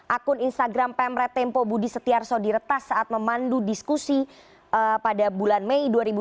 akun instagram pemret tempo budi setiarso diretas saat memandu diskusi pada bulan mei dua ribu dua puluh